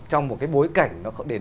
trong một cái bối cảnh